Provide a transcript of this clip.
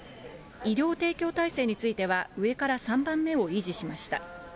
医療提供体制については、上から３番目を維持しました。